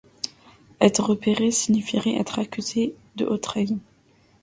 Être repéré signifierait être accusé de haute trahison.